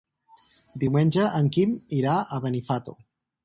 Diumenge en Quim irà a Benifato.